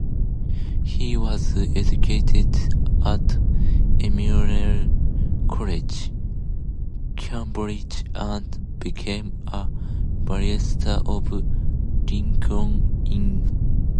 He was educated at Emmanuel College, Cambridge, and became a barrister of Lincoln's Inn.